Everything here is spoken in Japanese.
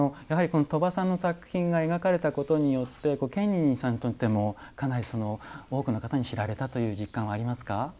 やはり鳥羽さんの作品が描かれたことによって建仁寺さんにとってもかなり多くの方に知られたという実感はありますか？